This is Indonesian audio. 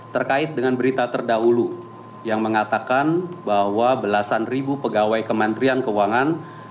terkait dengan berita terdahulu yang mengatakan bahwa belasan ribu pegawai kementerian keuangan